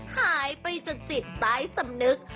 หายไปจนจิตใต้สำนึก